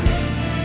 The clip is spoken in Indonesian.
nama itu apa